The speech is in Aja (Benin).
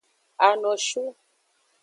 Anoshu.